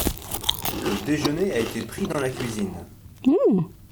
Le déjeuner a été pris dans la cuisine.